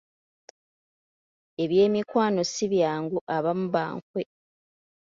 Eby’emikwano si byangu, abamu ba nkwe.